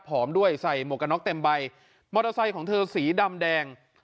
ด้วยใส่หมวกกระน็อกเต็มใบมอเตอร์ไซค์ของเธอสีดำแดง